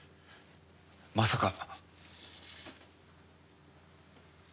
まさか。